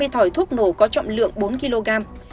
hai thỏi thuốc nổ có trọng lượng bốn kg